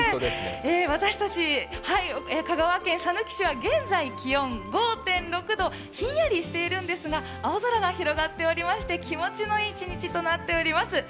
私たち、香川県さぬき市は現在、気温５．６度、ひんやりしているんですが青空が広がっておりまして気持ちのいい一日となっております。